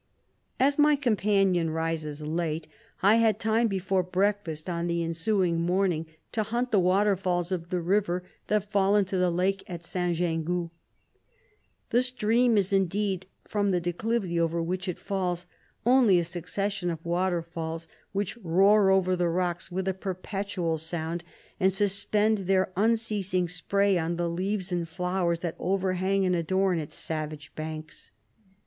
126 As my companion rises late, I had time before breakfast, on the ensuing morning, to hunt the waterfalls of the river that fall into the lake at St. Gin goux. The stream is indeed, from the declivity over which it falls, only a succession of waterfalls, which roar over the rocks with a perpetual sound, and suspend their unceasing spray on the leaves and flowers that overhang and adorn its savage banks.